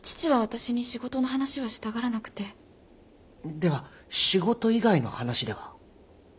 では仕事以外の話では？